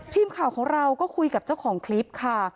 ทีมข่าวของเราก็คุยกับเจ้าของคลิปค่ะ